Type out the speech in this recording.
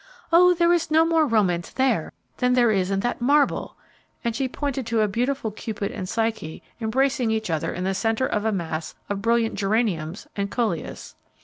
"Oh, there is no more romance there than there is in that marble," and she pointed to a beautiful Cupid and Psyche embracing each other in the centre of a mass of brilliant geraniums and coleas.